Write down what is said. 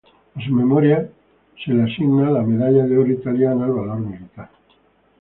A su memoria fue asignada la medalla de oro italiana al valor militar.